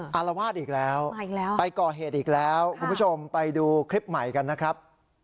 อารวาสอีกแล้วไปก่อเหตุอีกแล้วคุณผู้ชมไปดูคลิปใหม่กันนะครับ